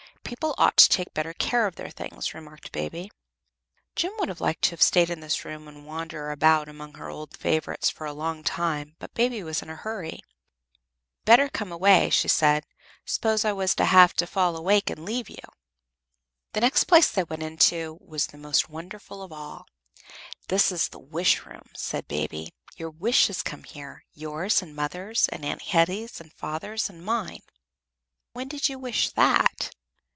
"People ought to take better care of their things," remarked Baby. Jem would have liked to stay in this room and wander about among her old favorites for a long time, but Baby was in a hurry. "You'd better come away," she said. "Suppose I was to have to fall awake and leave you?" The next place they went into was the most wonderful of all. "This is the Wish room," said Baby. "Your wishes come here yours and mother's, and Aunt Hetty's and father's and mine. When did you wish that?"